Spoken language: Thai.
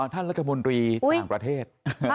ท่านรัฐมนตรีต่างประเทศ